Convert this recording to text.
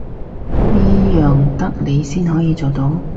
呢樣得你先可以做到